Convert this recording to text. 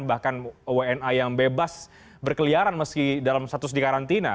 bahkan wni yang bebas berkeliaran meski dalam status dikarantina